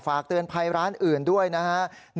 ฝากเตือนภัยร้านอื่นด้วยนะฮะ